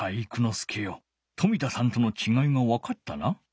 介よ冨田さんとのちがいがわかったな？